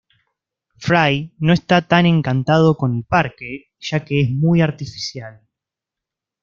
Fry no está tan encantado con el parque, ya que es muy artificial.